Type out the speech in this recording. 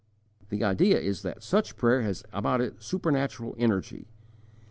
The idea is that such prayer has about it supernatural energy.